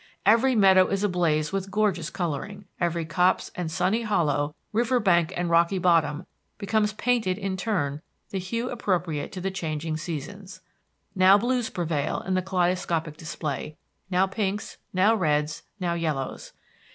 Every meadow is ablaze with gorgeous coloring, every copse and sunny hollow, river bank and rocky bottom, becomes painted in turn the hue appropriate to the changing seasons. Now blues prevail in the kaleidoscopic display, now pinks, now reds, now yellows.